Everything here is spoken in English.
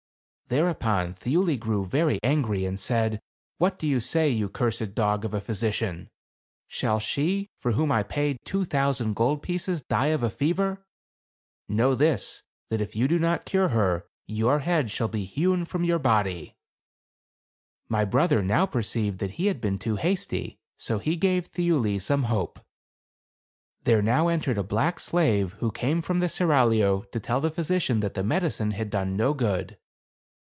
" Thereupon Thiuli grew very angry, and said, " What do you say, you cursed dog of a physician ? Shall she for whom I paid 180 THE CAB AVAN. two thousand gold pieces die of a fever ? Know this ; that if you do not cure her, your head shall be hewn from your body !" My brother now perceived that he had been too hasty, so he gave Thiuli some hope. There now entered a black slave who came from the seraglio, to tell the physician that the medicine had done no good.